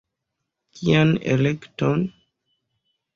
Kian elekton?